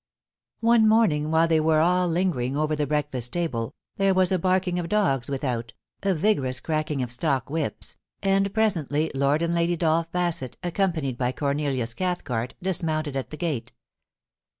One morning, while they were all lingering over the break fast table, there was a barking of dogs without, a vigorous cracking of stock whips, and presently Lord and Lady Dolph Bassett, accompanied by Cornelius Cathcart, dismounted at the gate.